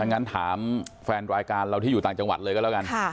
งั้นถามแฟนรายการเราที่อยู่ต่างจังหวัดเลยก็แล้วกัน